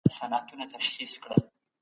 ولي ځيني هیوادونه بېړنۍ غونډه نه مني؟